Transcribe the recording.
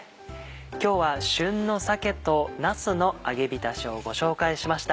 今日は旬の「鮭となすの揚げびたし」をご紹介しました。